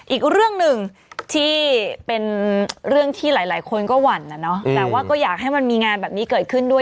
อีกเรื่องหนึ่งที่เป็นเรื่องที่หลายคนก็หวั่นนะเนาะแต่ว่าก็อยากให้มันมีงานแบบนี้เกิดขึ้นด้วย